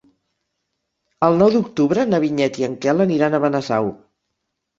El nou d'octubre na Vinyet i en Quel aniran a Benasau.